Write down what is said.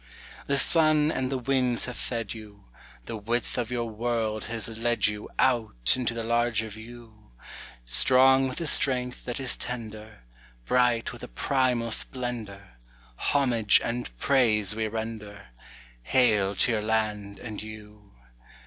The sun and the winds have fed you; The width of your world has led you Out into the larger view; Strong with a strength that is tender, Bright with a primal splendour, Homage and praise we render— Hail to your land and you!